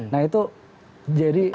nah itu jadi